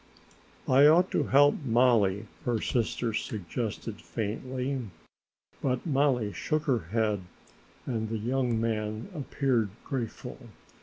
"I ought to help, Mollie," her sister suggested faintly, but Mollie shook her head and the young man appeared grateful.